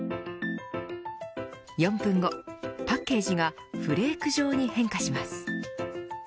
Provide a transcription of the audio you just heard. ４分後、パッケージがフレーク状に変化します。